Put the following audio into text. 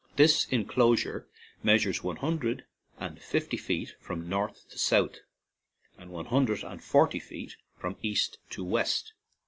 This enclosure meas ures one hundred and fifty feet from north to south, and one hundred and forty feet from east to west.